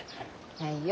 はいよ。